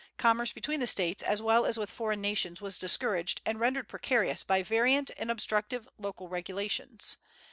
Commerce between the States as well as with foreign nations was discouraged and rendered precarious by variant and obstructive local regulations.